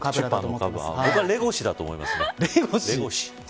僕はレゴシだと思いますね。